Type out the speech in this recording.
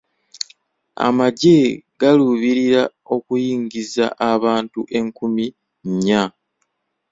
Amagye galuubirira okuyingiza abantu enkumi nnya.